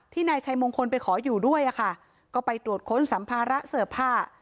นายชัยมงคลไปขออยู่ด้วยอะค่ะก็ไปตรวจค้นสัมภาระเสื้อผ้า